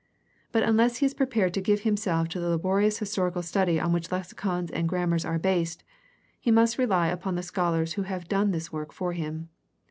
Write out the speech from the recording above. But unless he is prepared to give himself to the laborious historical study on which lexicons and grammars are based, he must rely upon the scholars who have done this work for him.